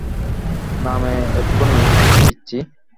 নামো এক্ষুণি, পিচ্চি!